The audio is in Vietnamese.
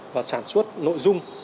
và sản xuất nội dung